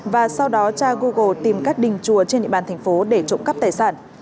và sau đó tra google tìm các đình chùa trên địa bàn thành phố để trộm cắp tài sản